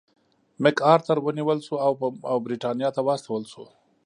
مک ارتر ونیول شو او برېټانیا ته واستول شو.